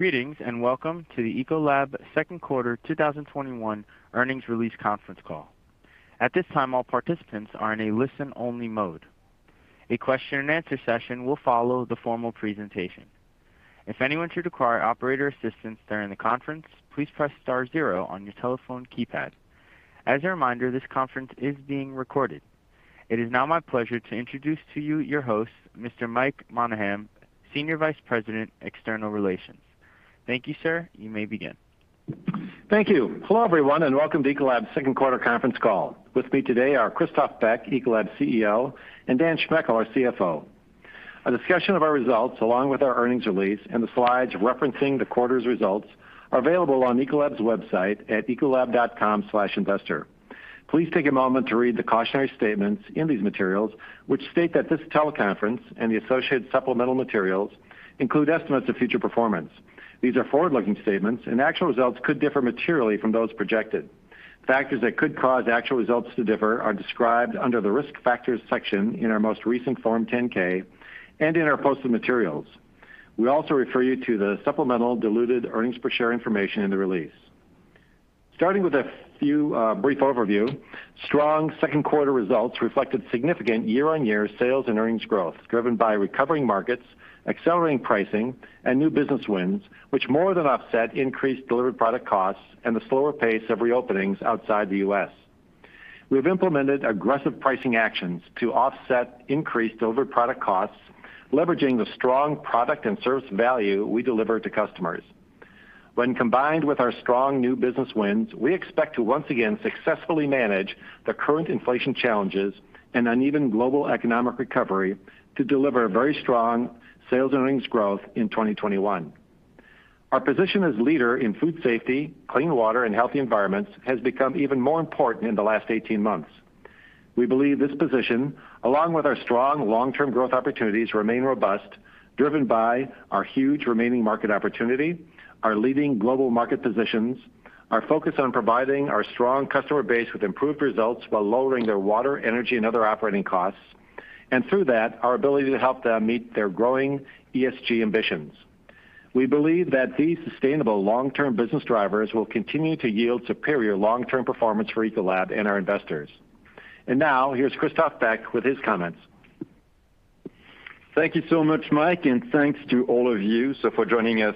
It is now my pleasure to introduce to you your host, Mr. Mike Monahan, Senior Vice President, External Relations. Thank you, sir. You may begin. Thank you. Hello, everyone, and welcome to Ecolab's second quarter conference call. With me today are Christophe Beck, Ecolab CEO, and Daniel Schmechel, our CFO. A discussion of our results, along with our earnings release and the slides referencing the quarter's results, are available on ecolab.com/investor. Please take a moment to read the cautionary statements in these materials, which state that this teleconference and the associated supplemental materials include estimates of future performance. These are forward-looking statements. Actual results could differ materially from those projected. Factors that could cause actual results to differ are described under the Risk Factors section in our most recent Form 10-K and in our posted materials. We also refer you to the supplemental diluted earnings per share information in the release. Starting with a few brief overview, strong second quarter results reflected significant year-over-year sales and earnings growth, driven by recovering markets, accelerating pricing, and new business wins, which more than offset increased delivered product costs and the slower pace of re-openings outside the U.S. We've implemented aggressive pricing actions to offset increased delivered product costs, leveraging the strong product and service value we deliver to customers. When combined with our strong new business wins, we expect to once again successfully manage the current inflation challenges and uneven global economic recovery to deliver very strong sales earnings growth in 2021. Our position as leader in food safety, clean water, and healthy environments has become even more important in the last 18 months. We believe this position, along with our strong long-term growth opportunities, remain robust, driven by our huge remaining market opportunity, our leading global market positions, our focus on providing our strong customer base with improved results while lowering their water, energy, and other operating costs, and through that, our ability to help them meet their growing ESG ambitions. We believe that these sustainable long-term business drivers will continue to yield superior long-term performance for Ecolab and our investors. Now, here's Christophe Beck with his comments. Thank you so much, Mike, and thanks to all of you for joining us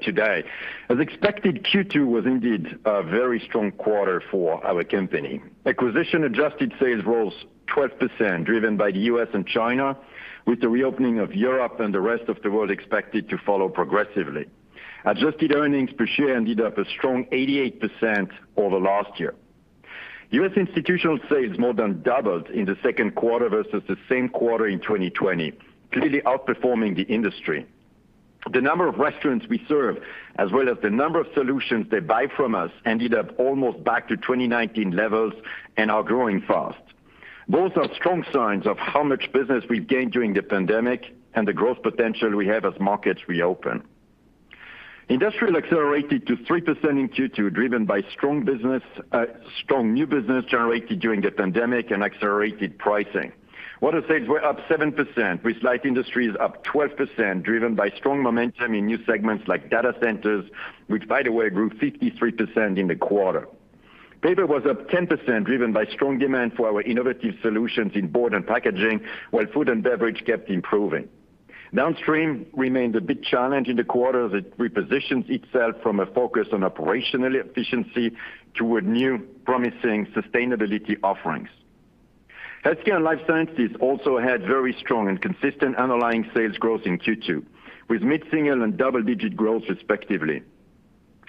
today. As expected, Q2 was indeed a very strong quarter for our company. Acquisition-adjusted sales rose 12%, driven by the U.S. and China, with the reopening of Europe and the rest of the world expected to follow progressively. Adjusted earnings per share ended up a strong 88% over last year. U.S. institutional sales more than doubled in the second quarter versus the same quarter in 2020, clearly outperforming the industry. The number of restaurants we serve, as well as the number of solutions they buy from us, ended up almost back to 2019 levels and are growing fast. Both are strong signs of how much business we've gained during the pandemic and the growth potential we have as markets re-open. Industrial accelerated to three percent in Q2, driven by strong new business generated during the pandemic and accelerated pricing. Water sales were up seven percent, with light industries up 12%, driven by strong momentum in new segments like data centers, which, by the way, grew 53% in the quarter. Paper was up 10%, driven by strong demand for our innovative solutions in board and packaging, while food and beverage kept improving. Downstream remained a big challenge in the quarter as it repositions itself from a focus on operational efficiency to new promising sustainability offerings. Healthcare and life sciences also had very strong and consistent underlying sales growth in Q2, with mid-single and double-digit growth, respectively.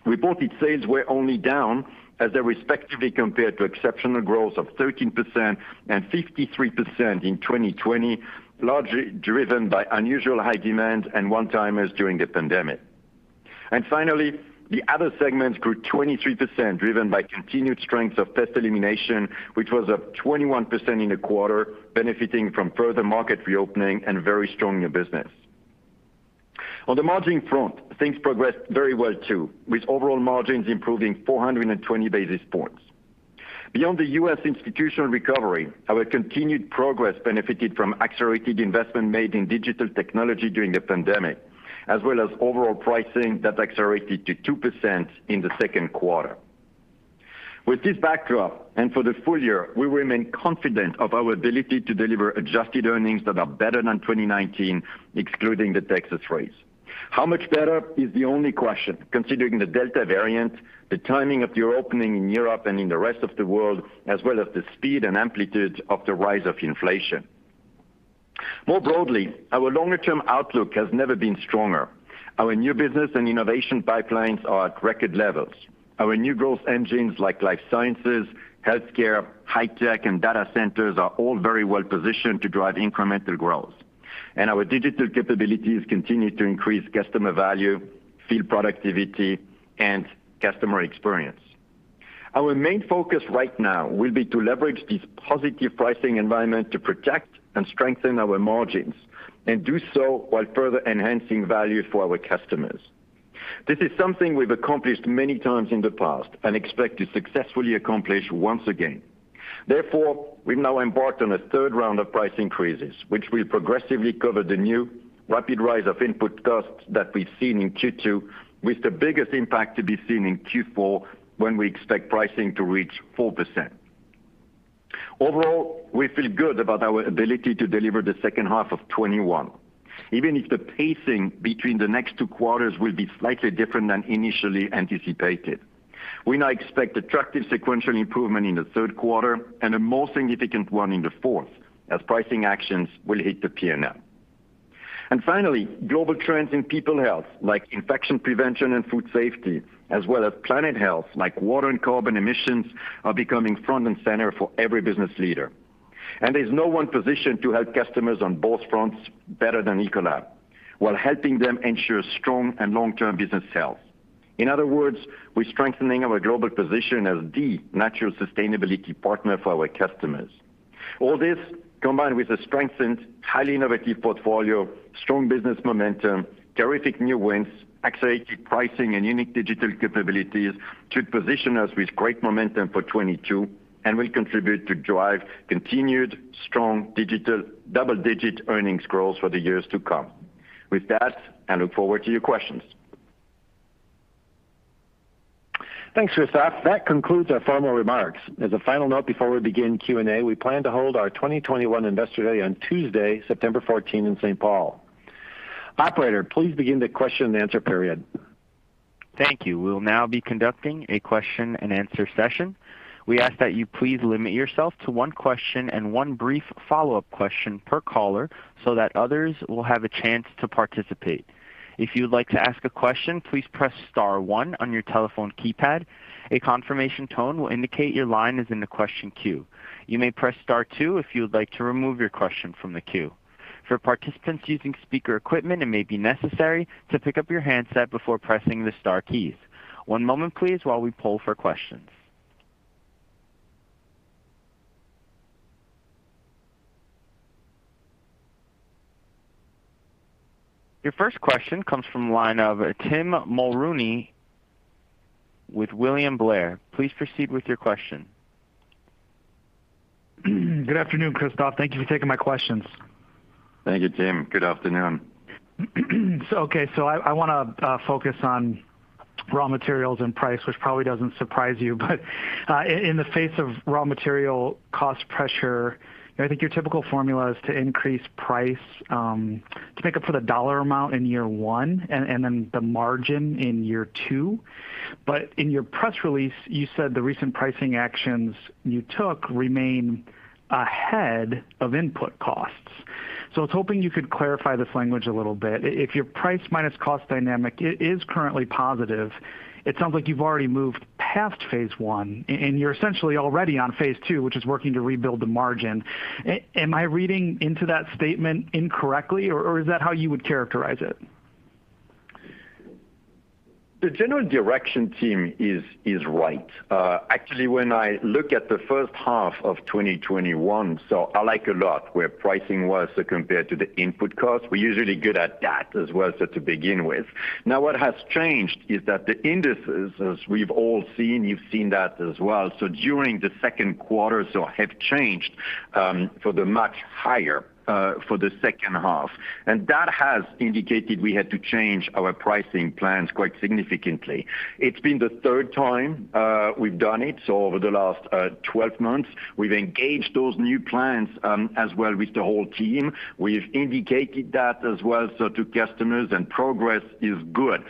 Reported sales were only down as they respectively compared to exceptional growth of 13% and 53% in 2020, largely driven by unusual high demand and one-timers during the pandemic. Finally, the other segments grew 23%, driven by continued strength of pest elimination, which was up 21% in the quarter, benefiting from further market reopening and very strong new business. On the margin front, things progressed very well, too, with overall margins improving 420 basis points. Beyond the U.S. institutional recovery, our continued progress benefited from accelerated investment made in digital technology during the pandemic, as well as overall pricing that accelerated to two percent in the second quarter. With this backdrop, and for the full year, we remain confident of our ability to deliver adjusted earnings that are better than 2019, excluding the Texas freeze. How much better is the only question, considering the Delta variant, the timing of the reopening in Europe and in the rest of the world, as well as the speed and amplitude of the rise of inflation. More broadly, our longer-term outlook has never been stronger. Our new business and innovation pipelines are at record levels. Our new growth engines like life sciences, healthcare, high tech, and data centers are all very well-positioned to drive incremental growth. Our digital capabilities continue to increase customer value, field productivity, and customer experience. Our main focus right now will be to leverage this positive pricing environment to protect and strengthen our margins, and do so while further enhancing value for our customers. This is something we've accomplished many times in the past and expect to successfully accomplish once again. Therefore, we've now embarked on a third round of price increases, which will progressively cover the new rapid rise of input costs that we've seen in Q2, with the biggest impact to be seen in Q4 when we expect pricing to reach four percent. Overall, we feel good about our ability to deliver the second half of 2021, even if the pacing between the next two quarters will be slightly different than initially anticipated. We now expect attractive sequential improvement in the third quarter and a more significant one in the fourth as pricing actions will hit the P&L. Finally, global trends in people health, like infection prevention and food safety, as well as planet health, like water and carbon emissions, are becoming front and center for every business leader. There's no one positioned to help customers on both fronts better than Ecolab while helping them ensure strong and long-term business health. In other words, we're strengthening our global position as the natural sustainability partner for our customers. All this, combined with a strengthened, highly innovative portfolio, strong business momentum, terrific new wins, accelerated pricing, and unique digital capabilities, should position us with great momentum for 2022 and will contribute to drive continued strong digital double-digit earnings growth for the years to come. With that, I look forward to your questions. Thanks, Christophe. That concludes our formal remarks. As a final note before we begin Q&A, we plan to hold our 2021 Investor Day on Tuesday, September 14 in St. Paul. Operator, please begin the question and answer period. Thank you. We'll now be conducting a question and answer session. We ask that you please limit yourself to one question and one brief follow-up question per caller so that others will have a chance to participate. If you would like to ask a question, please press star one on your telephone keypad. A confirmation tone will indicate your line is in the question queue. You may press star two if you would like to remove your question from the queue. For participants using speaker equipment, it may be necessary to pick up your handset before pressing the star keys. One moment please while we poll for questions. Your first question comes from the line of Tim Mulrooney with William Blair. Please proceed with your question. Good afternoon, Christophe. Thank you for taking my questions. Thank you, Tim. Good afternoon. Okay. I want to focus on raw materials and price, which probably doesn't surprise you, but in the face of raw material cost pressure, I think your typical formula is to increase price to make up for the dollar amount in year one and then the margin in year two. In your press release, you said the recent pricing actions you took remain ahead of input costs. I was hoping you could clarify this language a little bit. If your price minus cost dynamic is currently positive, it sounds like you've already moved past Phase one and you're essentially already on Phase two, which is working to rebuild the margin. Am I reading into that statement incorrectly, or is that how you would characterize it? The general direction, Tim, is right. Actually, when I look at the first half of 2021, I like a lot where pricing was compared to the input cost. We're usually good at that as well, to begin with. What has changed is that the indices, as we've all seen, you've seen that as well, during the second quarter, have changed for the much higher for the second half. That has indicated we had to change our pricing plans quite significantly. It's been the third time we've done it. Over the last 12 months, we've engaged those new plans as well with the whole team. We've indicated that as well, to customers, and progress is good.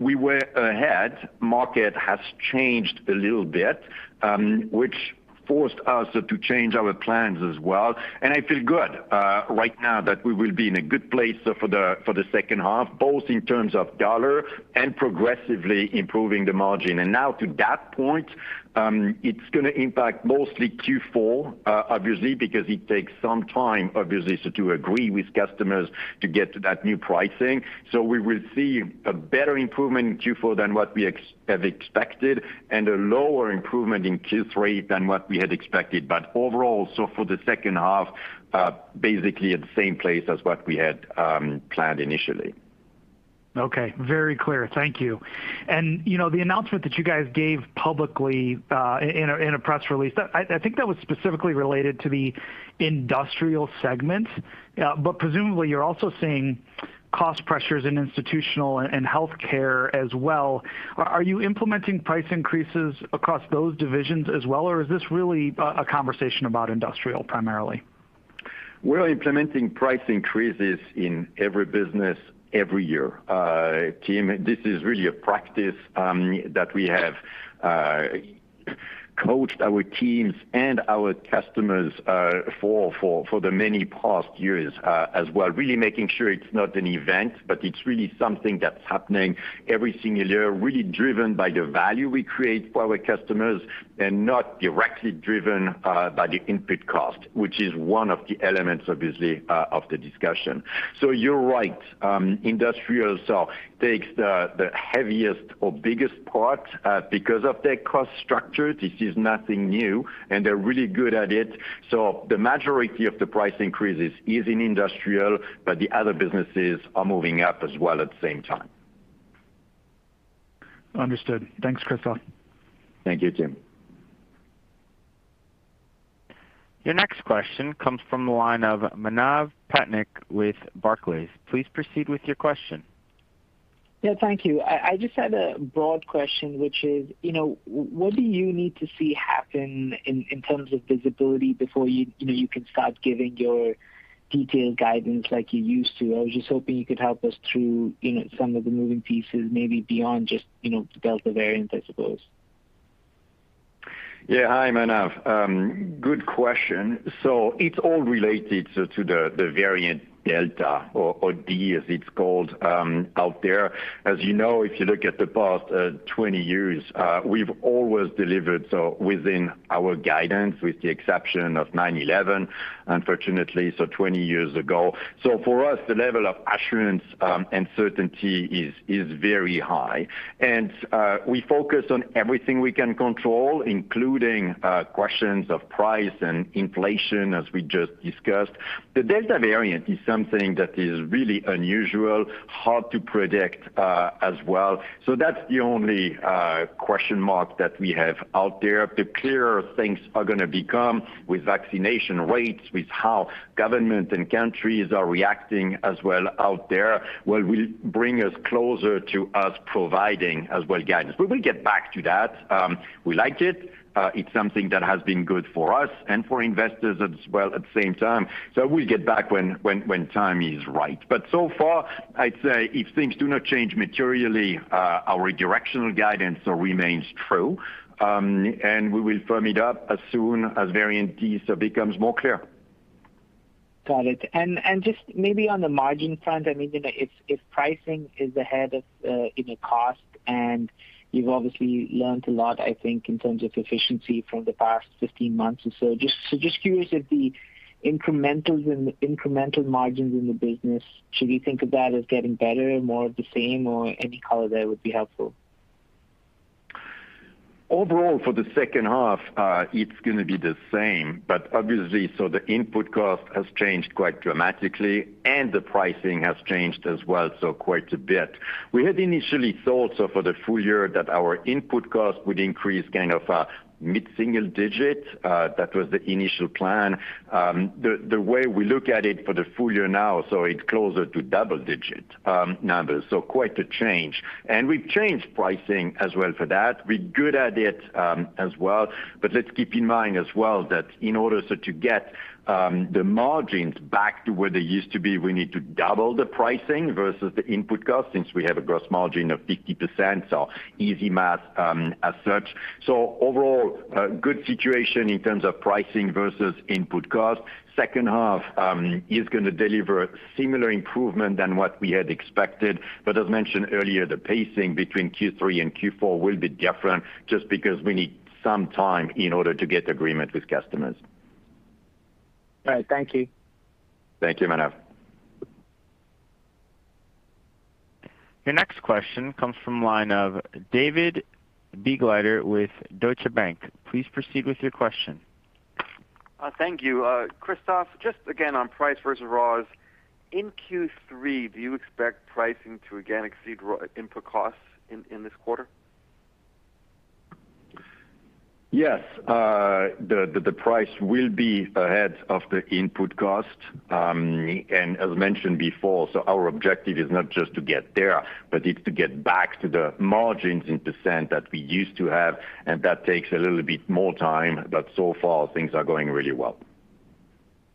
We were ahead. Market has changed a little bit, which forced us to change our plans as well. I feel good right now that we will be in a good place for the second half, both in terms of dollar and progressively improving the margin. To that point, it's going to impact mostly Q4, obviously, because it takes some time to agree with customers to get to that new pricing. We will see a better improvement in Q4 than what we have expected and a lower improvement in Q3 than what we had expected. Overall, for the second half, basically at the same place as what we had planned initially. Okay. Very clear. Thank you. The announcement that you guys gave publicly in a press release, I think that was specifically related to the Industrial segment. Presumably you're also seeing cost pressures in Institutional and Healthcare as well. Are you implementing price increases across those divisions as well, or is this really a conversation about Industrial primarily? We're implementing price increases in every business every year. Tim, this is really a practice that we have coached our teams and our customers for the many past years as well, really making sure it's not an event, but it's really something that's happening every single year, really driven by the value we create for our customers and not directly driven by the input cost, which is one of the elements, obviously, of the discussion. You're right. Industrial takes the heaviest or biggest part because of their cost structure. This is nothing new, and they're really good at it. The majority of the price increases is in industrial, but the other businesses are moving up as well at the same time. Understood. Thanks, Christophe. Thank you, Tim. Your next question comes from the line of Manav Patnaik with Barclays. Please proceed with your question. Yeah. Thank you. I just had a broad question, which is, what do you need to see happen in terms of visibility before you can start giving your detailed guidance like you used to? I was just hoping you could help us through some of the moving pieces, maybe beyond just the Delta variant, I suppose. Hi, Manav. Good question. It's all related to the Delta variant or D, as it's called out there. As you know, if you look at the past 20 years, we've always delivered within our guidance, with the exception of 9/11, unfortunately, 20 years ago. For us, the level of assurance and certainty is very high. We focus on everything we can control, including questions of price and inflation, as we just discussed. The Delta variant is something that is really unusual, hard to predict as well. That's the only question mark that we have out there. The clearer things are going to become with vaccination rates, with how governments and countries are reacting as well out there, will bring us closer to us providing as well guidance. We will get back to that. We like it. It's something that has been good for us and for investors as well at the same time. We'll get back when time is right. So far, I'd say if things do not change materially, our directional guidance remains true, and we will firm it up as soon as variant D becomes more clear. Got it. Just maybe on the margin front, if pricing is ahead of cost and you've obviously learned a lot, I think, in terms of efficiency from the past 15 months or so. Just curious if the incremental margins in the business, should we think of that as getting better, more of the same, or any color there would be helpful. Overall, for the second half, it's going to be the same, but obviously, the input cost has changed quite dramatically and the pricing has changed as well, so quite a bit. We had initially thought for the full year that our input cost would increase mid-single digit. That was the initial plan. The way we look at it for the full year now, so it's closer to double-digit numbers, so quite a change. We've changed pricing as well for that. We're good at it as well. Let's keep in mind as well that in order to get the margins back to where they used to be, we need to double the pricing versus the input cost, since we have a gross margin of 50%, so easy math as such. Overall, a good situation in terms of pricing versus input cost. Second half is going to deliver similar improvement than what we had expected. As mentioned earlier, the pacing between Q3 and Q4 will be different just because we need some time in order to get agreement with customers. All right. Thank you. Thank you, Manav. Your next question comes from line of David Begleiter with Deutsche Bank. Please proceed with your question. Thank you. Christophe, just again on price versus raws. In Q3, do you expect pricing to again exceed input costs in this quarter? Yes. The price will be ahead of the input cost. As mentioned before, our objective is not just to get there, but it's to get back to the margins in percent that we used to have, and that takes a little bit more time. So far, things are going really well.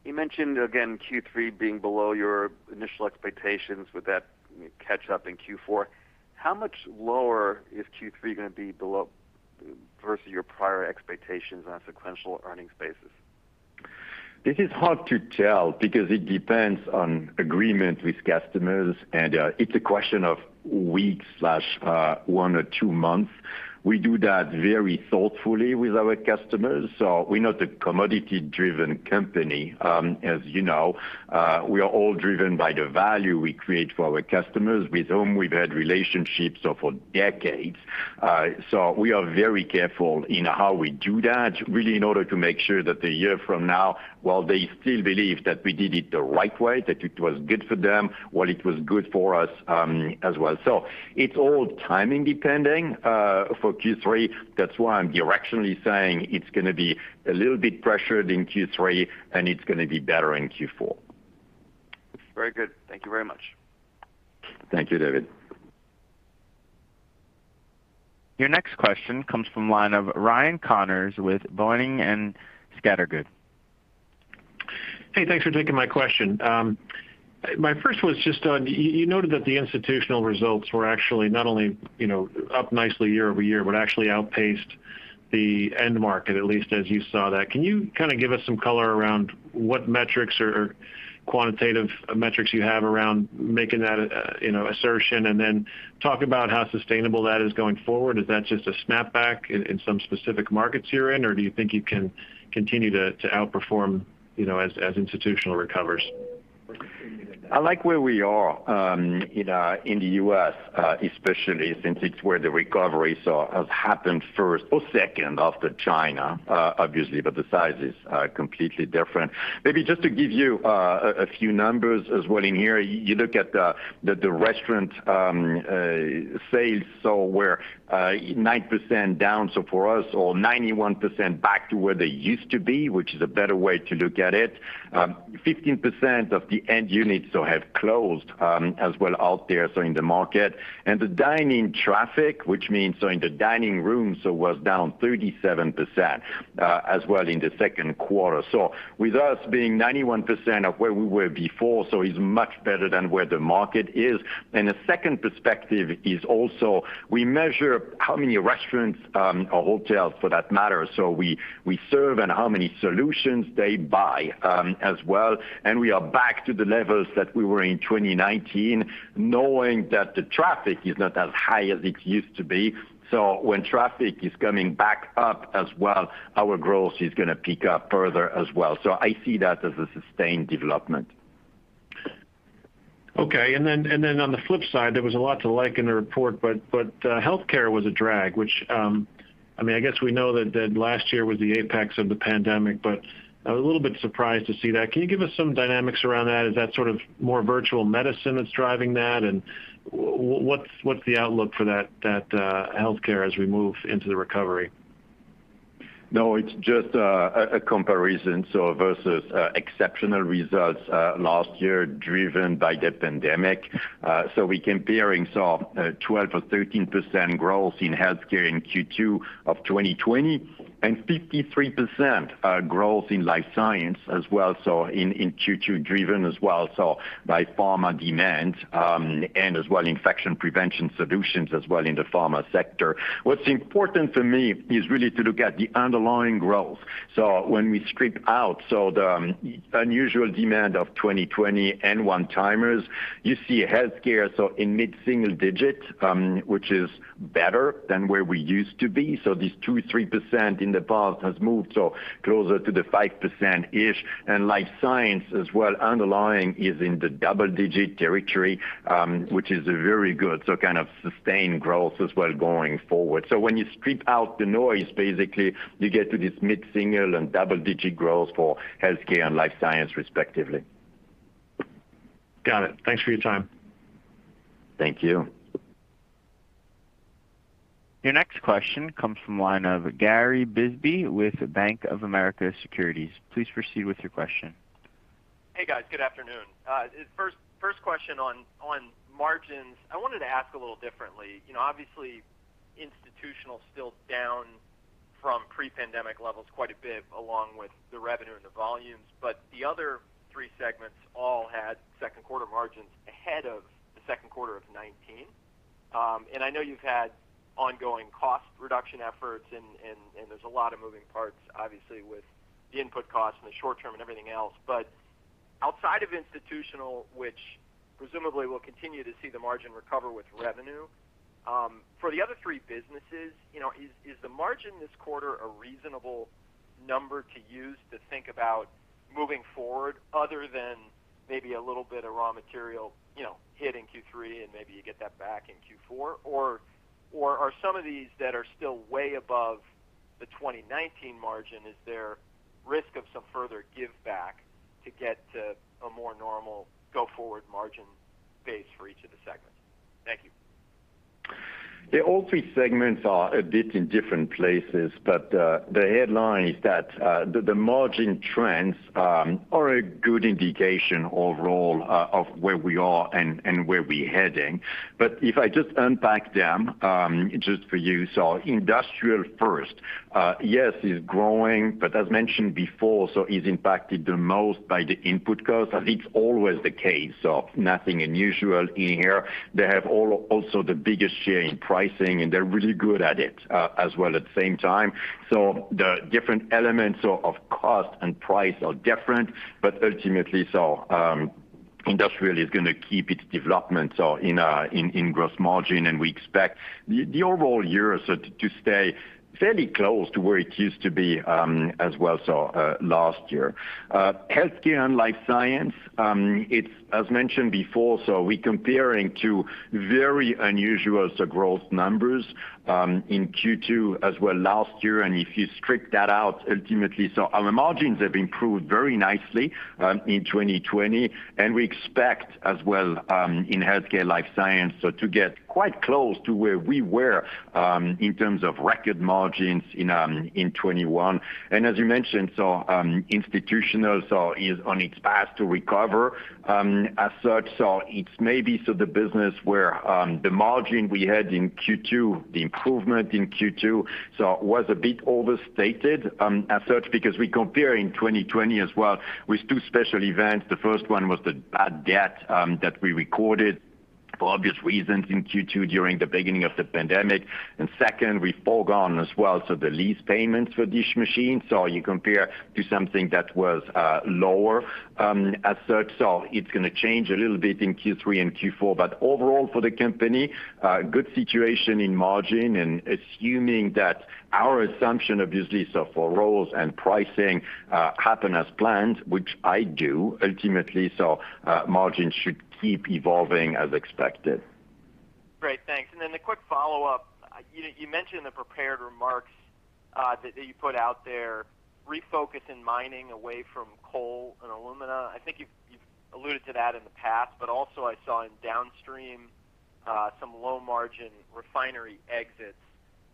You mentioned, again, Q3 being below your initial expectations. Would that catch up in Q4? How much lower is Q3 going to be versus your prior expectations on a sequential earnings basis? This is hard to tell because it depends on agreement with customers, and it's a question of weeks/one or two months. We do that very thoughtfully with our customers. We're not a commodity-driven company, as you know. We are all driven by the value we create for our customers, with whom we've had relationships for decades. We are very careful in how we do that, really in order to make sure that a year from now, while they still believe that we did it the right way, that it was good for them, while it was good for us as well. It's all timing depending for Q3. That's why I'm directionally saying it's going to be a little bit pressured in Q3 and it's going to be better in Q4. Very good. Thank you very much. Thank you, David. Your next question comes from line of Ryan Connors with Boenning & Scattergood. Hey, thanks for taking my question. My first was just on, you noted that the institutional results were actually not only up nicely year-over-year, but actually outpaced the end market, at least as you saw that. Can you give us some color around what metrics or quantitative metrics you have around making that assertion, and then talk about how sustainable that is going forward? Is that just a snapback in some specific markets you're in, or do you think you can continue to outperform as institutional recovers? I like where we are in the U.S., especially since it's where the recovery has happened first or second after China, obviously. The size is completely different. Maybe just to give you a few numbers as well in here, you look at the restaurant sales were nine percent down. For us or 91% back to where they used to be, which is a better way to look at it. 15% of the end units have closed as well out there in the market. The dine-in traffic, which means in the dining room, was down 37% as well in the second quarter. With us being 91% of where we were before, so is much better than where the market is. A second perspective is also we measure how many restaurants, or hotels for that matter, we serve and how many solutions they buy as well. We are back to the levels that we were in 2019, knowing that the traffic is not as high as it used to be. When traffic is coming back up as well, our growth is going to peak up further as well. I see that as a sustained development. Okay. On the flip side, there was a lot to like in the report, but healthcare was a drag. I guess we know that last year was the apex of the pandemic, but I was a little bit surprised to see that. Can you give us some dynamics around that? Is that more virtual medicine that's driving that? What's the outlook for that healthcare as we move into the recovery? No, it's just a comparison. Versus exceptional results last year driven by the pandemic. We comparing 12% or 13% growth in healthcare in Q2 of 2020, and 53% growth in life science in Q2 driven by pharma demand, and infection prevention solutions in the pharma sector. What's important for me is really to look at the underlying growth. When we strip out the unusual demand of 2020 and one-timers, you see healthcare in mid-single digit, which is better than where we used to be. This two, three percent in the past has moved closer to the five percent-ish. Life science as well, underlying is in the double-digit territory, which is very good. Kind of sustained growth as well going forward. When you strip out the noise, basically, you get to this mid-single and double-digit growth for healthcare and life science respectively. Got it. Thanks for your time. Thank you. Your next question comes from the line of Gary Bisbee with Bank of America Securities. Please proceed with your question. Hey, guys. Good afternoon. First question on margins. I wanted to ask a little differently. Obviously, Institutional is still down from pre-pandemic levels quite a bit along with the revenue and the volumes. The other three segments all had second quarter margins ahead of the second quarter of 2019. I know you've had ongoing cost reduction efforts and there's a lot of moving parts, obviously, with the input costs in the short term and everything else. Outside of Institutional, which presumably will continue to see the margin recover with revenue, for the other three businesses, is the margin this quarter a reasonable number to use to think about moving forward other than maybe a little bit of raw material hit in Q3 and maybe you get that back in Q4? Are some of these that are still way above the 2019 margin, is there risk of some further give back to get to a more normal go-forward margin base for each of the segments? Thank you. All three segments are a bit in different places. The headline is that the margin trends are a good indication overall of where we are and where we're heading. If I just unpack them, just for you. Industrial first. Yes, it's growing, but as mentioned before, so is impacted the most by the input costs, as it's always the case. Nothing unusual in here. They have also the biggest share in pricing, and they're really good at it as well at the same time. The different elements of cost and price are different, but ultimately, industrial is going to keep its development in gross margin, and we expect the overall year to stay fairly close to where it used to be as well, so last year. Healthcare and life science, as mentioned before, so we comparing to very unusual growth numbers in Q2 as well last year. If you strip that out, ultimately, so our margins have improved very nicely in 2020, and we expect as well in healthcare and life science to get quite close to where we were in terms of record margins in 2021. As you mentioned, so institutional is on its path to recover as such, so it's maybe the business where the margin we had in Q2, the improvement in Q2 was a bit overstated as such because we're comparing 2020 as well with two special events. The first one was the bad debt that we recorded for obvious reasons in Q2 during the beginning of the pandemic. Second, we forgone as well the lease payments for dish machines. You compare to something that was lower as such. It's going to change a little bit in Q3 and Q4. Overall for the company, good situation in margin and assuming that our assumption, obviously, so for raws and pricing happen as planned, which I do, ultimately, so margins should keep evolving as expected. A quick follow-up. You mentioned in the prepared remarks that you put out there, refocus in mining away from coal and alumina. I think you've alluded to that in the past, but also I saw in downstream some low-margin refinery exits.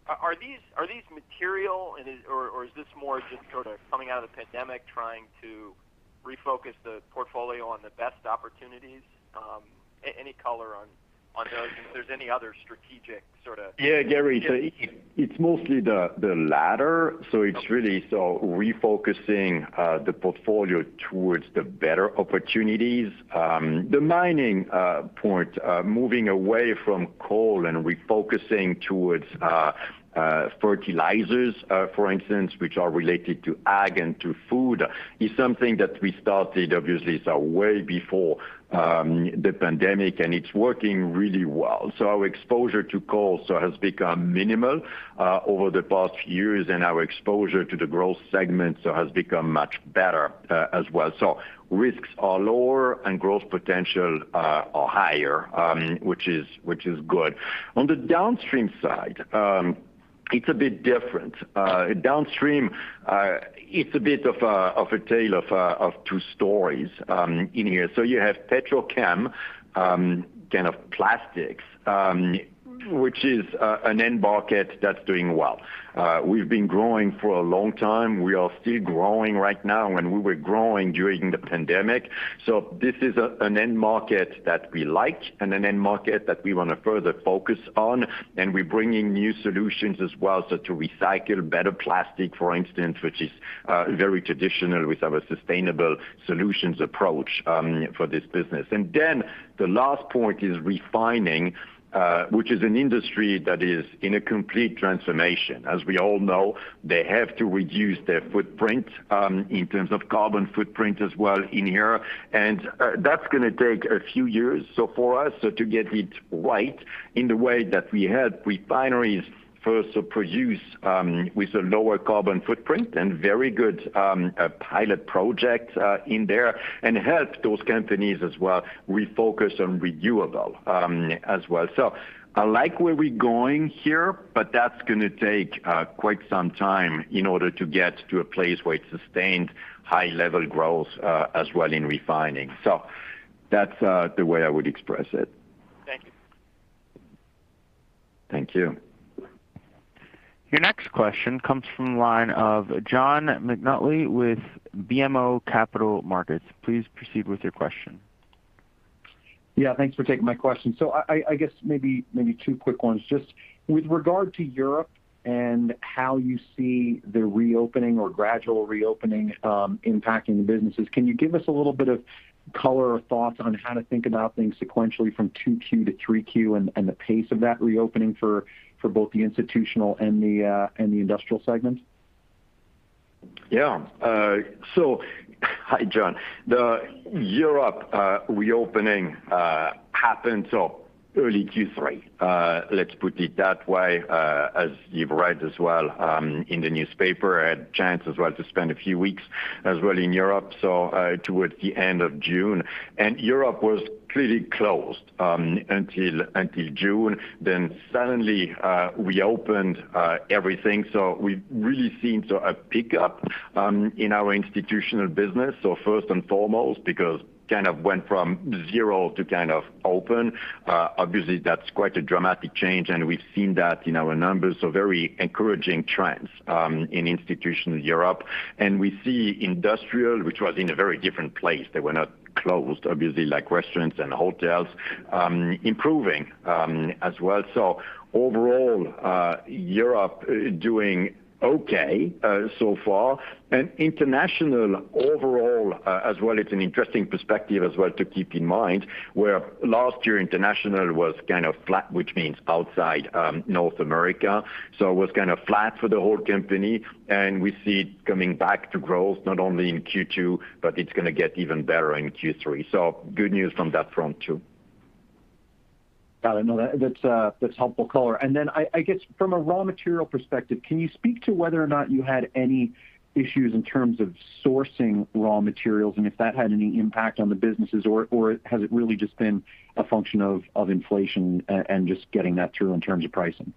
Are these material, or is this more just sort of coming out of the pandemic, trying to refocus the portfolio on the best opportunities? Any color on those, if there's any other strategic? Yeah, Gary. It's mostly the latter. It's really refocusing the portfolio towards the better opportunities. The mining point, moving away from coal and refocusing towards fertilizers, for instance, which are related to ag and to food, is something that we started, obviously, way before the pandemic, and it's working really well. Our exposure to coal has become minimal over the past years, and our exposure to the growth segments has become much better as well. Risks are lower and growth potential are higher, which is good. On the downstream side, it's a bit different. Downstream, it's a bit of a tale of two stories in here. You have petrochem, kind of plastics, which is an end market that's doing well. We've been growing for a long time. We are still growing right now, and we were growing during the pandemic. This is an end market that we like and an end market that we want to further focus on, and we bring in new solutions as well, so to recycle better plastic, for instance, which is very traditional with our sustainable solutions approach for this business. The last point is refining, which is an industry that is in a complete transformation. As we all know, they have to reduce their footprint in terms of carbon footprint as well in here, and that's going to take a few years. For us, to get it right in the way that we help refineries first to produce with a lower carbon footprint and very good pilot project in there and help those companies as well refocus on renewable as well. I like where we're going here, but that's going to take quite some time in order to get to a place where it sustains high-level growth as well in refining. That's the way I would express it. Thank you. Thank you. Your next question comes from the line of John McNulty with BMO Capital Markets. Please proceed with your question. Yeah, thanks for taking my question. I guess maybe two quick ones. Just with regard to Europe and how you see the reopening or gradual reopening impacting the businesses, can you give us a little bit of color or thoughts on how to think about things sequentially from 2Q to 3Q and the pace of that reopening for both the institutional and the industrial segments? Hi, John. The Europe reopening happened early Q3, let's put it that way. As you've read as well in the newspaper, I had a chance as well to spend a few weeks as well in Europe, so towards the end of June. Europe was clearly closed until June, then suddenly we opened everything. We've really seen a pickup in our institutional business, first and foremost, because kind of went from zero to kind of open. Obviously, that's quite a dramatic change, and we've seen that in our numbers, very encouraging trends in institutional Europe. We see industrial, which was in a very different place, they were not closed, obviously, like restaurants and hotels, improving as well. Overall, Europe doing okay so far. International overall as well, it's an interesting perspective as well to keep in mind, where last year international was kind of flat, which means outside North America. It was kind of flat for the whole company, and we see it coming back to growth, not only in Q2, but it's going to get even better in Q3. Good news on that front, too. Got it. No, that's helpful color. I guess from a raw material perspective, can you speak to whether or not you had any issues in terms of sourcing raw materials and if that had any impact on the businesses? Has it really just been a function of inflation and just getting that through in terms of pricing?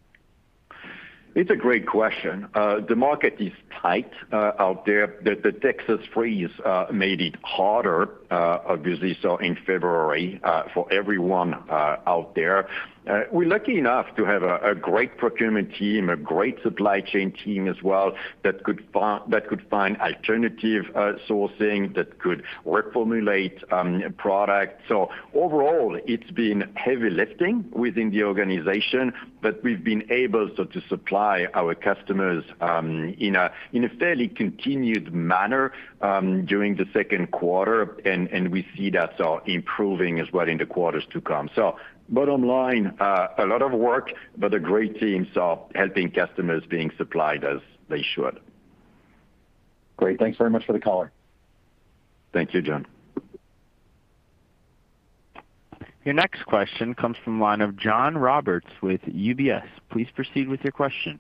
It's a great question. The market is tight out there. The Texas freeze made it harder, obviously, in February, for everyone out there. We're lucky enough to have a great procurement team, a great supply chain team as well, that could find alternative sourcing, that could reformulate product. Overall, it's been heavy lifting within the organization, but we've been able so to supply our customers in a fairly continued manner during the second quarter, and we see that improving as well in the quarters to come. Bottom line, a lot of work, but a great team so helping customers being supplied as they should. Great. Thanks very much for the color. Thank you, John. Your next question comes from the line of John Roberts with UBS. Please proceed with your question.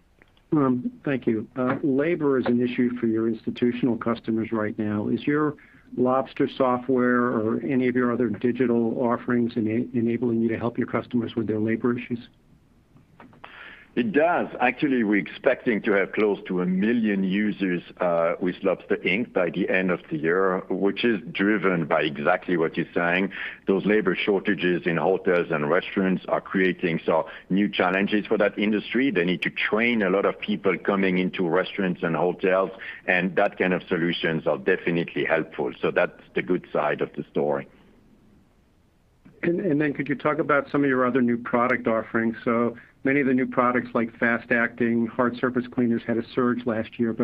Thank you. Labor is an issue for your institutional customers right now. Is your Lobster Ink or any of your other digital offerings enabling you to help your customers with their labor issues? It does. Actually, we're expecting to have close to a million users with Lobster Ink by the end of the year, which is driven by exactly what you're saying. Those labor shortages in hotels and restaurants are creating some new challenges for that industry. They need to train a lot of people coming into restaurants and hotels, and that kind of solutions are definitely helpful. That's the good side of the story. Could you talk about some of your other new product offerings? Many of the new products, like fast-acting hard surface cleaners, had a surge last year.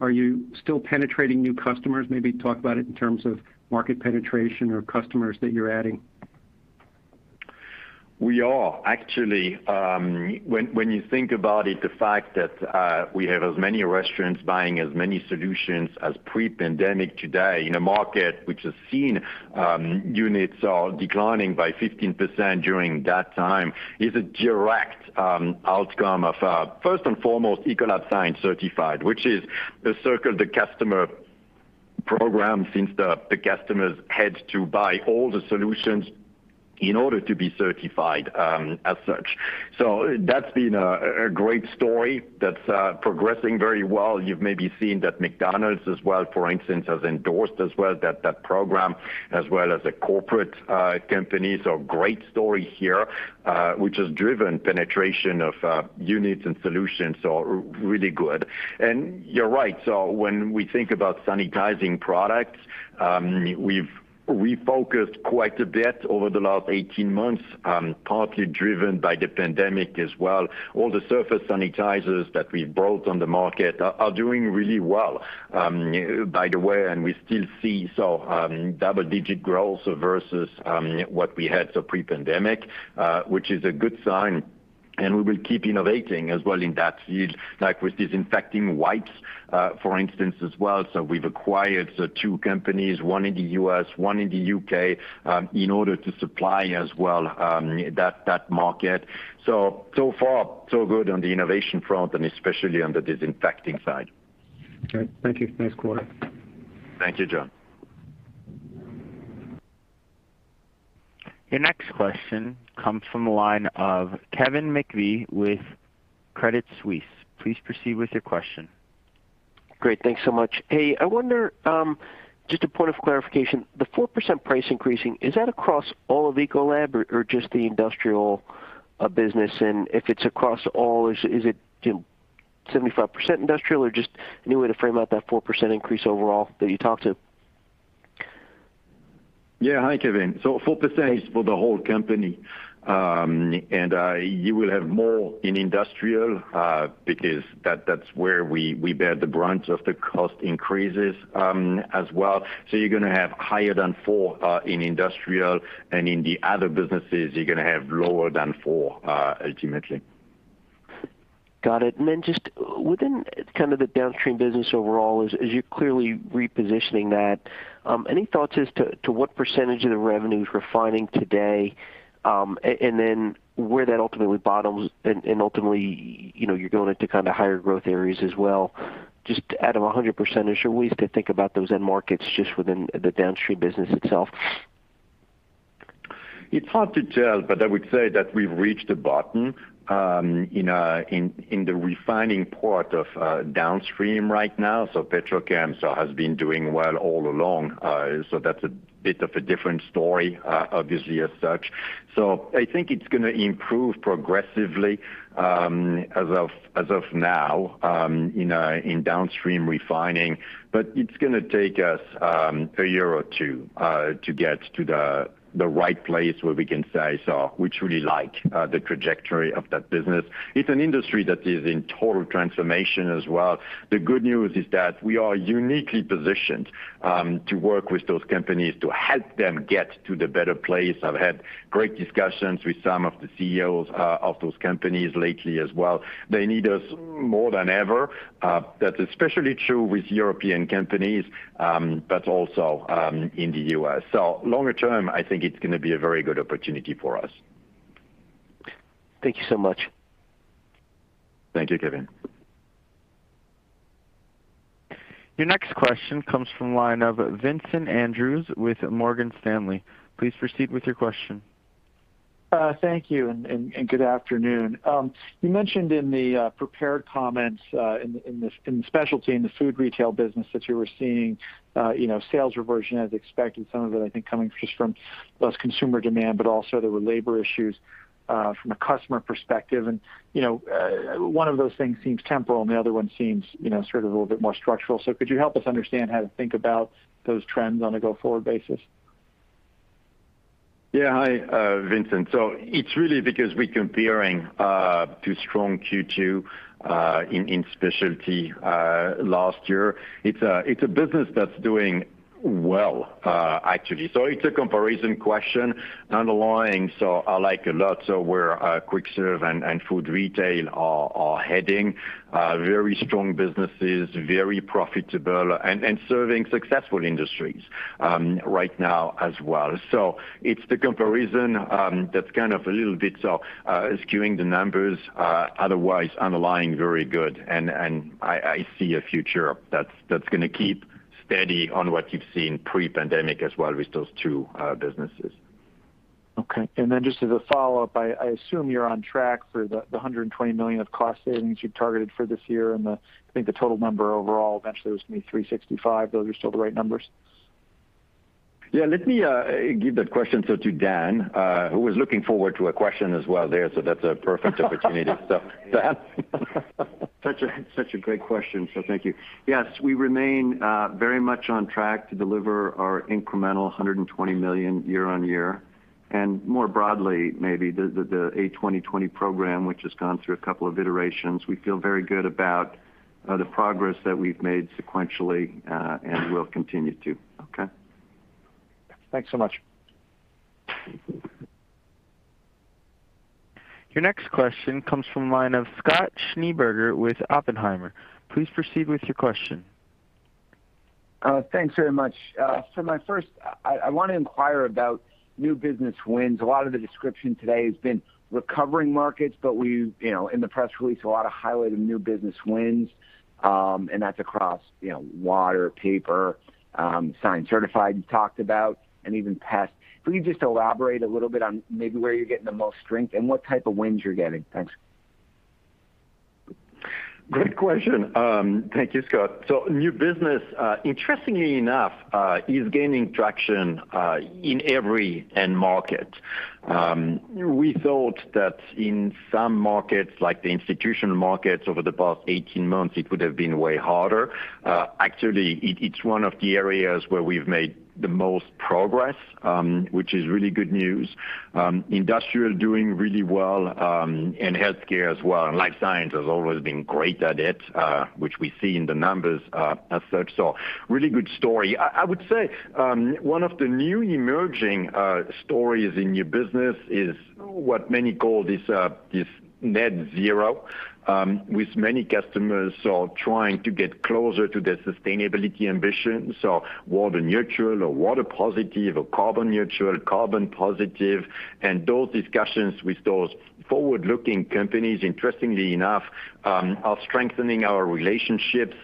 Are you still penetrating new customers? Maybe talk about it in terms of market penetration or customers that you're adding. We are. Actually, when you think about it, the fact that we have as many restaurants buying as many solutions as pre-pandemic today in a market which has seen units are declining by 15% during that time is a direct outcome of, first and foremost, Ecolab Science Certified, which is the circle the customer program, since the customers had to buy all the solutions in order to be certified as such. That's been a great story that's progressing very well. You've maybe seen that McDonald's as well, for instance, has endorsed as well that program, as well as the corporate companies. Great story here, which has driven penetration of units and solutions, really good. You're right. When we think about sanitizing products, we've refocused quite a bit over the last 18 months, partly driven by the pandemic as well. All the surface sanitizers that we've brought on the market are doing really well, by the way, and we still see double-digit growth versus what we had pre-pandemic, which is a good sign. We will keep innovating as well in that field. Like with disinfecting wipes, for instance, as well. We've acquired two companies, one in the U.S., one in the U.K., in order to supply as well that market. So far, so good on the innovation front and especially on the disinfecting side. Okay. Thank you. Nice quarter. Thank you, John. Your next question comes from the line of Kevin McCarthy with Credit Suisse. Please proceed with your question. Great, thanks so much. Hey, I wonder, just a point of clarification, the four percent price increasing, is that across all of Ecolab or just the industrial business? If it's across all, is it 75% industrial or just any way to frame out that four percent increase overall that you talked to? Hi, Kevin. four percent is for the whole company. You will have more in industrial, because that's where we bear the brunt of the cost increases as well. You're going to have higher than four in industrial and in the other businesses, you're going to have lower than four, ultimately. Got it. Just within kind of the downstream business overall, as you're clearly repositioning that, any thoughts as to what percentage of the revenue is refining today, and then where that ultimately bottoms and you're going into kind of higher growth areas as well? Just out of 100%, ways to think about those end markets just within the downstream business itself. It's hard to tell, but I would say that we've reached the bottom in the refining part of downstream right now. Petrochem has been doing well all along. That's a bit of a different story, obviously, as such. I think it's going to improve progressively as of now in downstream refining. It's going to take us a year or two to get to the right place where we can say, so we truly like the trajectory of that business. It's an industry that is in total transformation as well. The good news is that we are uniquely positioned to work with those companies to help them get to the better place. I've had great discussions with some of the CEOs of those companies lately as well. They need us more than ever. That's especially true with European companies, but also in the U.S. Longer term, I think it's going to be a very good opportunity for us. Thank you so much. Thank you, Kevin. Your next question comes from line of Vincent Andrews with Morgan Stanley. Please proceed with your question. Thank you. Good afternoon. You mentioned in the prepared comments in the specialty, in the food retail business that you were seeing sales reversion as expected, some of it, I think, coming just from less consumer demand, but also there were labor issues from a customer perspective. One of those things seems temporal and the other one seems sort of a little bit more structural. Could you help us understand how to think about those trends on a go-forward basis? Yeah. Hi, Vincent. It's really because we're comparing to strong Q2 in specialty last year. It's a business that's doing well, actually. It's a comparison question underlying. I like a lot where quick serve and food retail are heading. Very strong businesses, very profitable, and serving successful industries right now as well. It's the comparison that's kind of a little bit skewing the numbers. Otherwise, underlying very good, and I see a future that's going to keep steady on what you've seen pre-pandemic as well with those two businesses. Okay. Just as a follow-up, I assume you're on track for the $120 million of cost savings you targeted for this year, and I think the total number overall eventually was going to be $365. Those are still the right numbers? Yeah, let me give that question to Dan, who was looking forward to a question as well there, so that's a perfect opportunity. Dan. Such a great question, so thank you. Yes, we remain very much on track to deliver our incremental $120 million year-on-year. More broadly, maybe, the A2020 program, which has gone through a couple of iterations, we feel very good about the progress that we've made sequentially, and will continue to. Okay. Thanks so much. Thank you. Your next question comes from the line of Scott Schneeberger with Oppenheimer. Please proceed with your question. Thanks very much. For my first, I want to inquire about new business wins. A lot of the description today has been recovering markets, but in the press release, a lot of highlight of new business wins, and that's across water, paper, Science Certified, you talked about, and even pest. Can you just elaborate a little bit on maybe where you're getting the most strength and what type of wins you're getting? Thanks. Great question. Thank you, Scott. New business, interestingly enough, is gaining traction in every end market. We thought that in some markets, like the institutional markets over the past 18 months, it would have been way harder. Actually, it's one of the areas where we've made the most progress, which is really good news. Industrial doing really well, and healthcare as well. Life science has always been great at it, which we see in the numbers as such. Really good story. I would say, one of the new emerging stories in new business is what many call this net zero, with many customers trying to get closer to their sustainability ambitions, so water neutral or water positive or carbon neutral, carbon positive. Those discussions with those forward-looking companies, interestingly enough, are strengthening our relationships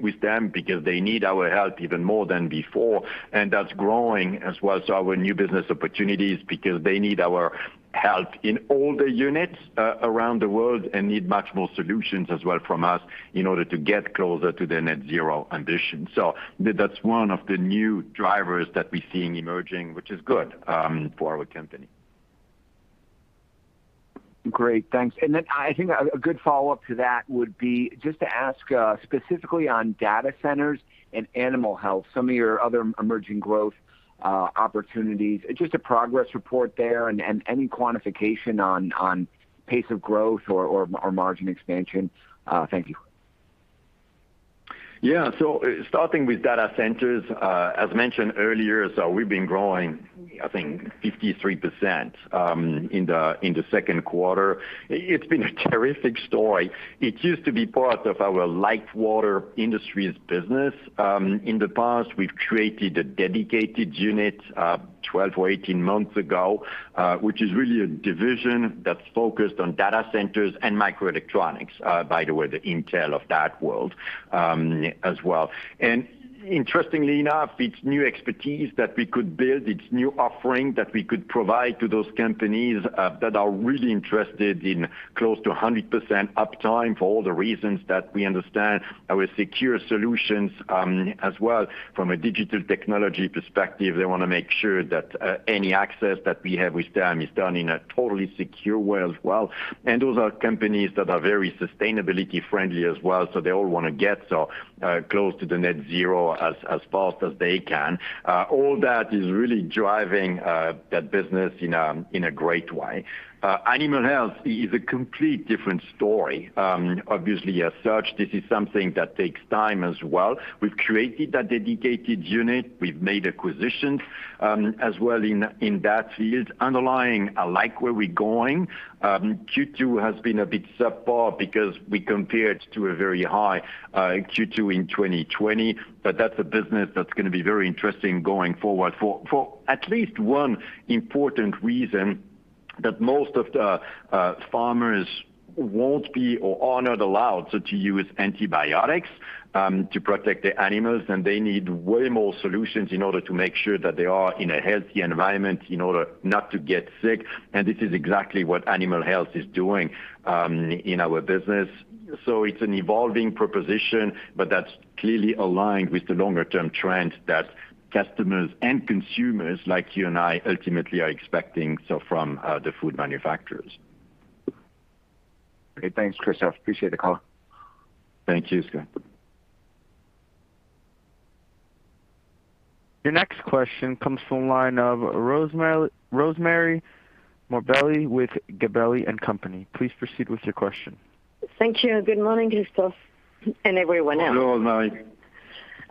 with them because they need our help even more than before. That's growing as well. Our new business opportunity is because they need our help in all the units around the world and need much more solutions as well from us in order to get closer to the net zero ambition. That's one of the new drivers that we're seeing emerging, which is good for our company. Great. Thanks. I think a good follow-up to that would be just to ask specifically on data centers and animal health, some of your other emerging growth opportunities. Just a progress report there and any quantification on pace of growth or margin expansion. Thank you. Starting with data centers, as mentioned earlier, we've been growing, I think 53% in the second quarter. It's been a terrific story. It used to be part of our light water industries business. In the past, we've created a dedicated unit 12 or 18 months ago, which is really a division that's focused on data centers and microelectronics, by the way, the Intel of that world as well. Interestingly enough, it's new expertise that we could build, it's new offering that we could provide to those companies that are really interested in close to 100% uptime for all the reasons that we understand our secure solutions, as well from a digital technology perspective. They want to make sure that any access that we have with them is done in a totally secure way as well. Those are companies that are very sustainability friendly as well, so they all want to get close to the net zero as fast as they can. All that is really driving that business in a great way. Animal health is a complete different story. Obviously as such, this is something that takes time as well. We've created a dedicated unit. We've made acquisitions as well in that field. Underlying, I like where we're going. Q2 has been a bit subpar because we compared to a very high Q2 in 2020. That's a business that's going to be very interesting going forward, for at least one important reason, that most of the farmers won't be or are not allowed to use antibiotics to protect the animals, and they need way more solutions in order to make sure that they are in a healthy environment in order not to get sick. This is exactly what animal health is doing in our business. It's an evolving proposition, but that's clearly aligned with the longer-term trend that customers and consumers like you and I ultimately are expecting from the food manufacturers. Great. Thanks, Christophe. Appreciate the call. Thank you, Scott. Your next question comes from the line of Rosemarie Morbelli with Gabelli & Company. Please proceed with your question. Thank you. Good morning, Christophe, and everyone else. Hello,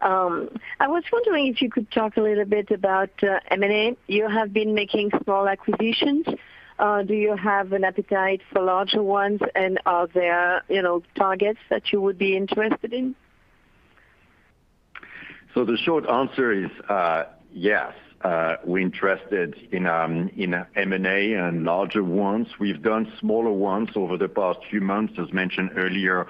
Rosemarie. I was wondering if you could talk a little bit about M&A. You have been making small acquisitions. Do you have an appetite for larger ones, and are there targets that you would be interested in? The short answer is yes. We're interested in M&A and larger ones. We've done smaller ones over the past few months, as mentioned earlier,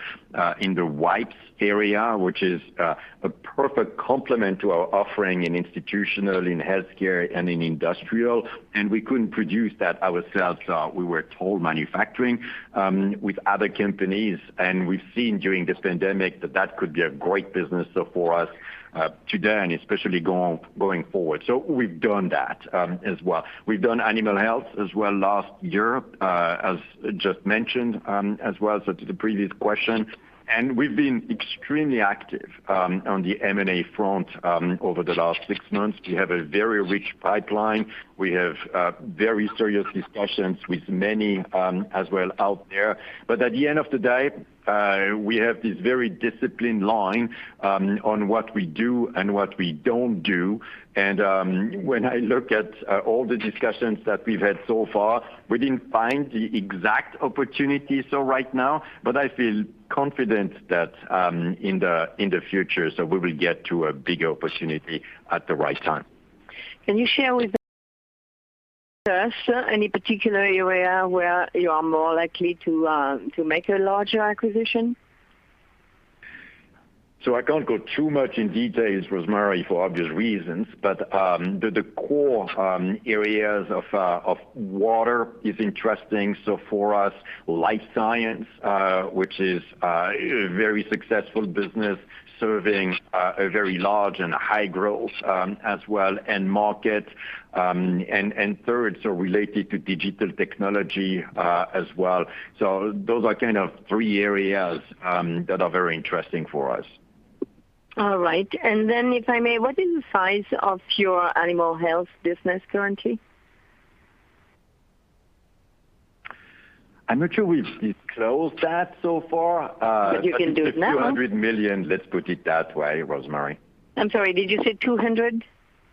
in the wipes area, which is a perfect complement to our offering in institutional, in healthcare, and in industrial. We couldn't produce that ourselves. We were toll manufacturing with other companies. We've seen during this pandemic that that could be a great business for us to do, and especially going forward. We've done that as well. We've done animal health as well last year, as just mentioned, as well, so to the previous question. We've been extremely active on the M&A front over the last six months. We have a very rich pipeline. We have very serious discussions with many as well out there. At the end of the day, we have this very disciplined line on what we do and what we don't do. When I look at all the discussions that we've had so far, we didn't find the exact opportunity right now, but I feel confident that in the future, we will get to a bigger opportunity at the right time. Can you share with us any particular area where you are more likely to make a larger acquisition? I can't go too much in details, Rosemarie, for obvious reasons. The core areas of water is interesting. For us, life science, which is a very successful business serving a very large and high growth as well, end market. Third, related to digital technology as well. Those are kind of three areas that are very interesting for us. All right. If I may, what is the size of your animal health business currently? I'm not sure we've disclosed that so far. You can do it now. a few hundred million. Let's put it that way, Rosemarie. I'm sorry, did you say $200?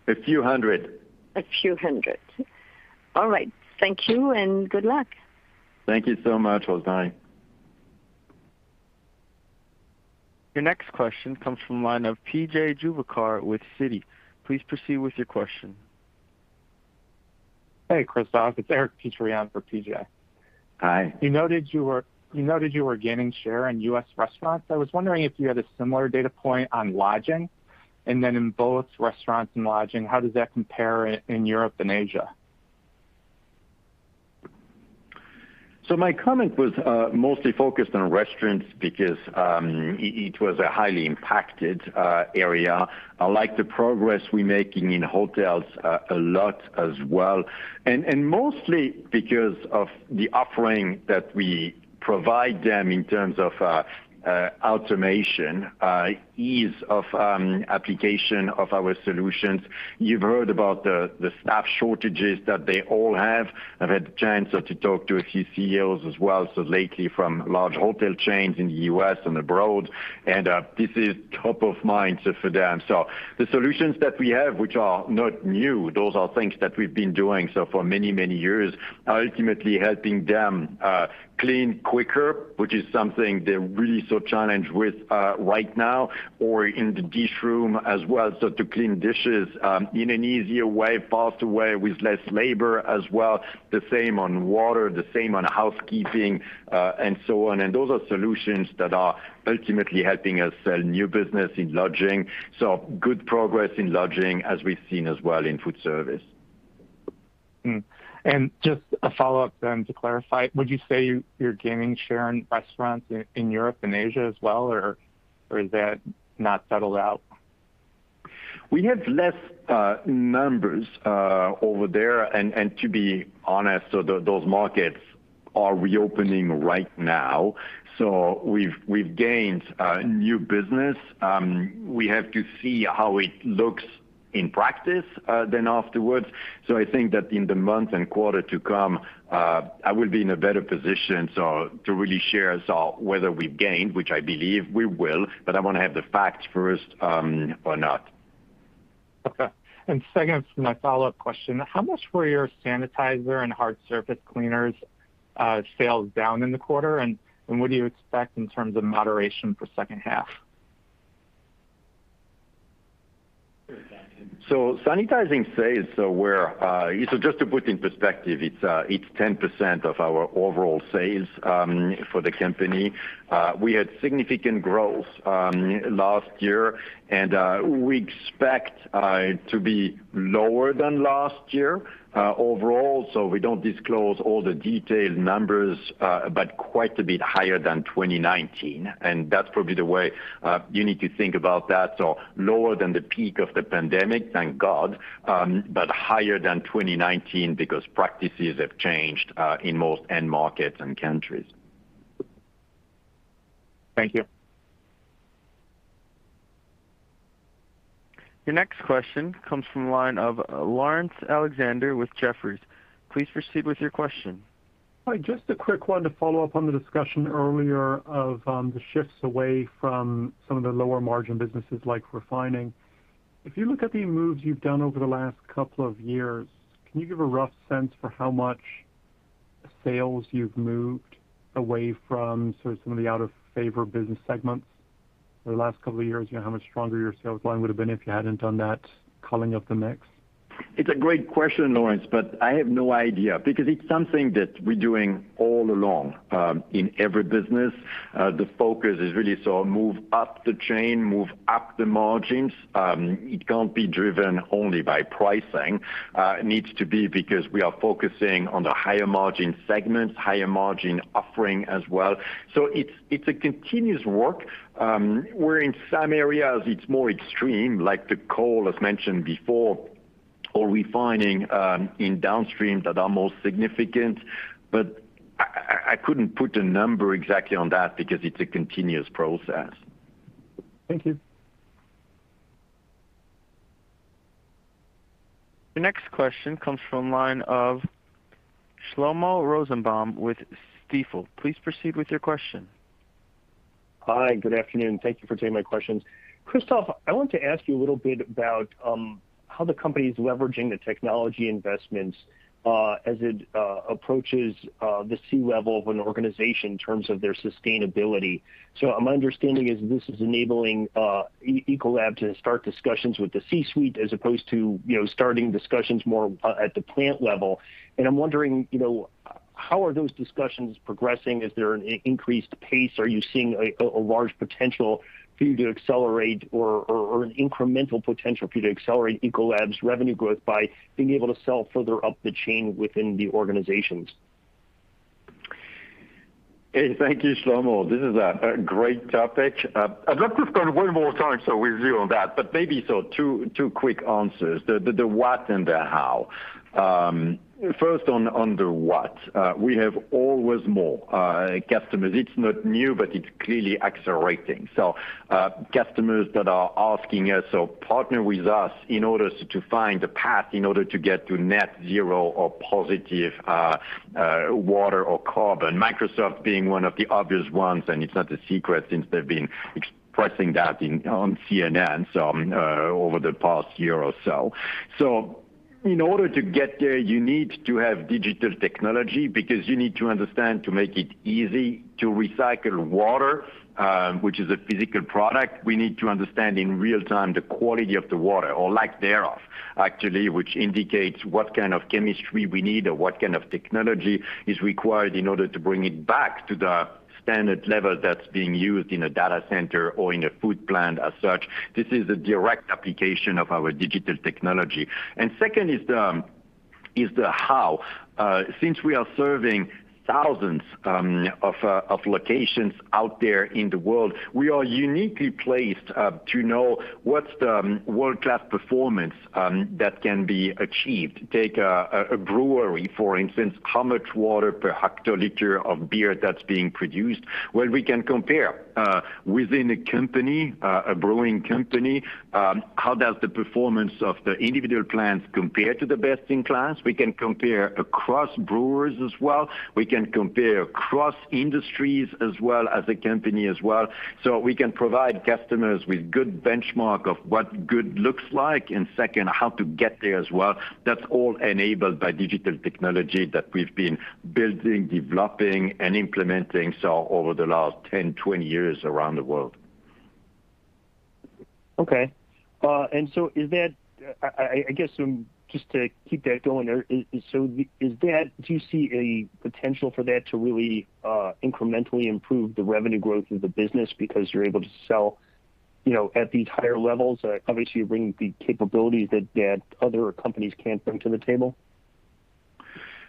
A few hundred. A few hundred. All right. Thank you and good luck. Thank you so much, Rosemarie. Your next question comes from the line of P.J. Juvekar with Citi. Please proceed with your question. Hey, Christophe. It's Eric Petrie for P.J. Hi. You noted you were gaining share in U.S. restaurants. I was wondering if you had a similar data point on lodging. In both restaurants and lodging, how does that compare in Europe and Asia? My comment was mostly focused on restaurants because it was a highly impacted area. I like the progress we're making in hotels a lot as well. Mostly because of the offering that we provide them in terms of automation, ease of application of our solutions. You've heard about the staff shortages that they all have. I've had the chance to talk to a few CEOs as well lately from large hotel chains in the U.S. and abroad, and this is top of mind for them. The solutions that we have, which are not new, those are things that we've been doing for many, many years, are ultimately helping them clean quicker, which is something they're really so challenged with right now. In the dish room as well, so to clean dishes in an easier way, faster way, with less labor as well. The same on water, the same on housekeeping, and so on. Those are solutions that are ultimately helping us sell new business in lodging. Good progress in lodging as we've seen as well in food service. Just a follow-up then to clarify, would you say you're gaining share in restaurants in Europe and Asia as well? Or is that not settled out? We have less numbers over there. To be honest, those markets are reopening right now. We've gained new business. We have to see how it looks in practice then afterwards. I think that in the month and quarter to come, I will be in a better position to really share whether we've gained, which I believe we will, but I want to have the facts first, or not. Okay. Second, my follow-up question, how much were your sanitizer and hard surface cleaners sales down in the quarter? What do you expect in terms of moderation for second half? Sanitizing sales just to put in perspective, it's 10% of our overall sales for the company. We had significant growth last year, and we expect to be lower than last year overall. We don't disclose all the detailed numbers, but quite a bit higher than 2019. That's probably the way you need to think about that. Lower than the peak of the pandemic, thank God, but higher than 2019 because practices have changed in most end markets and countries. Thank you. Your next question comes from the line of Laurence Alexander with Jefferies. Please proceed with your question. Hi. Just a quick one to follow up on the discussion earlier of the shifts away from some of the lower margin businesses like refining. If you look at the moves you've done over the last couple of years, can you give a rough sense for how much Sales, you've moved away from some of the out-of-favor business segments over the last couple of years? How much stronger your sales line would've been if you hadn't done that culling of the mix? It's a great question, Laurence, I have no idea because it's something that we're doing all along. In every business, the focus is really to move up the chain, move up the margins. It can't be driven only by pricing. It needs to be because we are focusing on the higher margin segments, higher margin offering as well. It's a continuous work. Where in some areas it's more extreme, like the coal, as mentioned before, or refining in downstreams that are more significant. I couldn't put a number exactly on that because it's a continuous process. Thank you. The next question comes from the line of Shlomo Rosenbaum with Stifel. Please proceed with your question. Hi, good afternoon. Thank you for taking my questions. Christophe, I want to ask you a little bit about how the company's leveraging the technology investments as it approaches the C-suite of an organization in terms of their sustainability. My understanding is this is enabling Ecolab to start discussions with the C-suite as opposed to starting discussions more at the plant level, and I'm wondering how are those discussions progressing? Is there an increased pace? Are you seeing a large potential for you to accelerate or an incremental potential for you to accelerate Ecolab's revenue growth by being able to sell further up the chain within the organizations? Thank you, Shlomo. This is a great topic. I'd love to spend way more time with you on that, maybe two quick answers. The what and the how. First on the what. We have always more customers. It's not new, it's clearly accelerating. Customers that are asking us, partner with us in order to find a path in order to get to net zero or positive water or carbon. Microsoft being one of the obvious ones, it's not a secret since they've been expressing that on CNN over the past year or so. In order to get there, you need to have digital technology because you need to understand to make it easy to recycle water, which is a physical product. We need to understand in real time the quality of the water or lack thereof, actually, which indicates what kind of chemistry we need or what kind of technology is required in order to bring it back to the standard level that's being used in a data center or in a food plant as such. This is a direct application of our digital technology. Second is the how. Since we are serving thousands of locations out there in the world, we are uniquely placed to know what's the world-class performance that can be achieved. Take a brewery, for instance. How much water per hectoliter of beer that's being produced? Well, we can compare within a company, a brewing company, how does the performance of the individual plants compare to the best in class? We can compare across brewers as well. We can compare across industries as well as a company as well. We can provide customers with good benchmark of what good looks like, and second, how to get there as well. That's all enabled by digital technology that we've been building, developing, and implementing over the last 10, 20 years around the world. Okay. Just to keep that going there, do you see a potential for that to really incrementally improve the revenue growth of the business because you're able to sell at these higher levels? Obviously, you're bringing the capabilities that other companies can't bring to the table.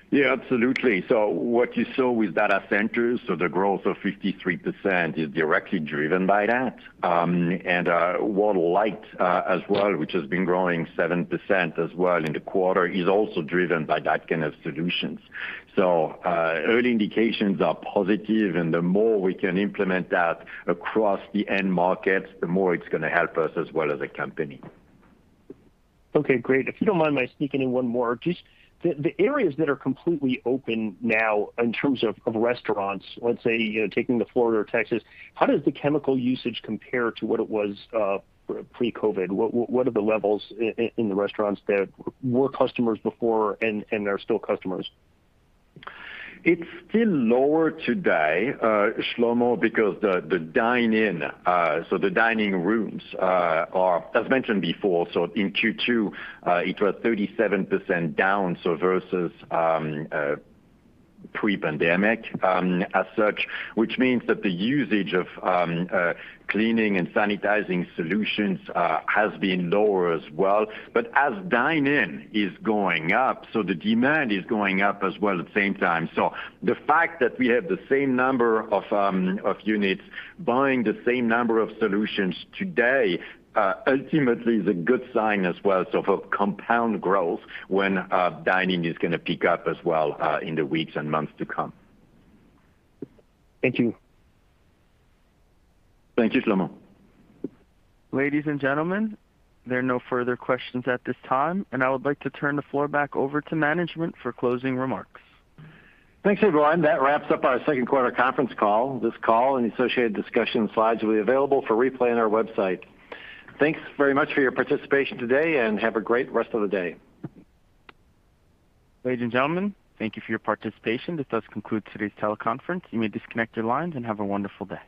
Yeah, absolutely. What you saw with data centers, the growth of 53% is directly driven by that. Water Light as well, which has been growing seven percent as well in the quarter, is also driven by that kind of solutions. Early indications are positive, and the more we can implement that across the end markets, the more it's going to help us as well as a company. Okay, great. If you don't mind my sneaking in one more. Just the areas that are completely open now in terms of restaurants, let's say taking the Florida or Texas, how does the chemical usage compare to what it was pre-COVID? What are the levels in the restaurants that were customers before and are still customers? It's still lower today, Shlomo, because the dine-in, so the dining rooms are, as mentioned before, so in Q2, it was 37% down versus pre-pandemic as such, which means that the usage of cleaning and sanitizing solutions has been lower as well. As dine-in is going up, the demand is going up as well at the same time. The fact that we have the same number of units buying the same number of solutions today ultimately is a good sign as well for compound growth when dine-in is going to pick up as well in the weeks and months to come. Thank you. Thank you, Shlomo. Ladies and gentlemen, there are no further questions at this time, and I would like to turn the floor back over to management for closing remarks. Thanks, everyone. That wraps up our second quarter conference call. This call and the associated discussion slides will be available for replay on our website. Thanks very much for your participation today, and have a great rest of the day. Ladies and gentlemen, thank you for your participation. This does conclude today's teleconference. You may disconnect your lines and have a wonderful day.